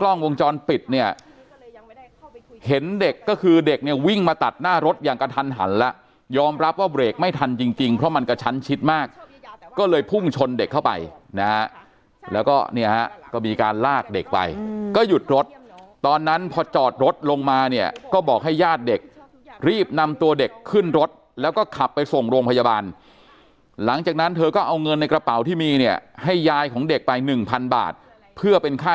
แล้วยอมรับว่าเบรกไม่ทันจริงจริงเพราะมันกับฉันชิดมากก็เลยพุ่งชนเด็กเข้าไปนะแล้วก็เนี่ยก็มีการลากเด็กไปก็หยุดรถตอนนั้นพอจอดรถลงมาเนี่ยก็บอกให้ญาติเด็กรีบนำตัวเด็กขึ้นรถแล้วก็ขับไปส่งโรงพยาบาลหลังจากนั้นเธอก็เอาเงินในกระเป๋าที่มีเนี่ยให้ยายของเด็กไป๑๐๐๐บาทเพื่อเป็นค่า